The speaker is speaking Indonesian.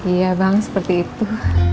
iya bang seperti itu